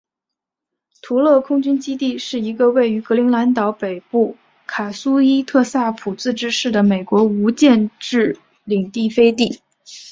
图勒空军基地是一个为于格陵兰岛北部卡苏伊特萨普自治市的美国无建制领地飞地。